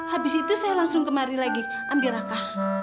habis itu saya langsung kemari lagi ambil aka